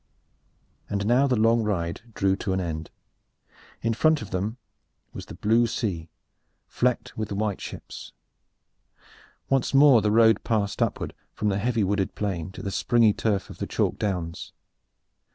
And now the long ride drew to an end. In front of them was the blue sea, flecked with the white sails of ships. Once more the road passed upward from the heavy wooded plain to the springy turf of the chalk downs.